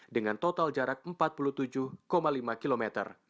dengan total jarak empat puluh tujuh lima km